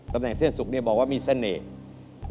แหนเส้นสุกเนี่ยบอกว่ามีเสน่ห์